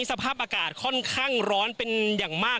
สภาพอากาศค่อนข้างร้อนเป็นอย่างมาก